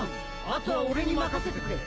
あとは俺に任せてくれ！